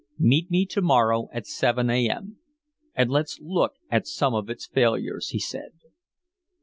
"Meet me to morrow at seven a. m. And let's look at some of its failures," he said.